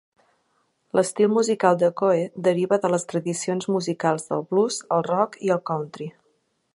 L'estil musical de Coe deriva de les tradicions musicals del blues, el roc i el country.